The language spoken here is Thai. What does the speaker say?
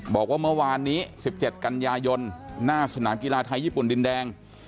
บอกว่าเมื่อวานนี้๑๗กันยายนหน้าสนามกีฬาไทยญี่ปุ่นดินแดง